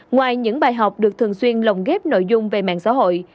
ngoài những bài học được thường xuyên lồng ghép nội dung về mạng xã hội